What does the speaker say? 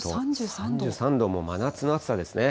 ３３度、真夏の暑さですね。